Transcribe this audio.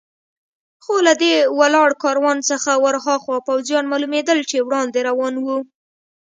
خو له دې ولاړ کاروان څخه ور هاخوا پوځیان معلومېدل چې وړاندې روان و.